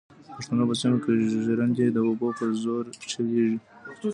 د پښتنو په سیمو کې ژرندې د اوبو په زور چلېږي.